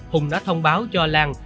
hùng đã thông báo cho lan